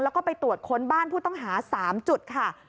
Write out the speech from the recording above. แล้วก็ไปตรวจค้นบ้านผู้ต้องหา๓จุดค่ะ